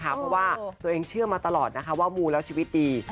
เพราะว่าตัวเองเชื่อมาตลอดนะคะว่ามูแล้วชีวิตดี